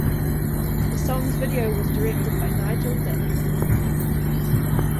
The song's video was directed by Nigel Dick.